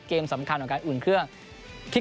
เกมสำคัญของการอุ่นเครื่อง